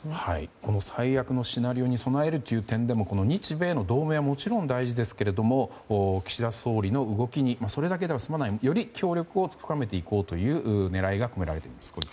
この最悪のシナリオに備えるという点でも日米の同盟はもちろん大事ですが岸田総理の動きにそれだけでは済まずより協力を深めていこうという狙いが込められています。